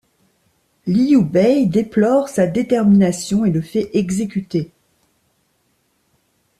Liu Bei déplore sa détermination et le fait exécuter.